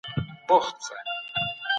فیوډالي نظام د علم د پراختیا خنډ و.